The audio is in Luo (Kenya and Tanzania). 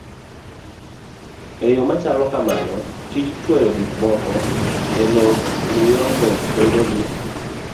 E yo machalo kamano, tij chwoyo gik moko e lowo miyo lowo bedo gi